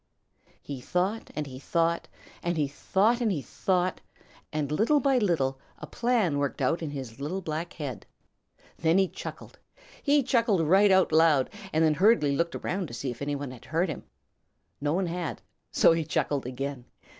He thought and he thought and he thought and he thought, and little by little a plan worked out in his little black head. Then he chuckled. He chuckled right out loud, then hurriedly looked around to see if any one had heard him. No one had, so he chuckled again.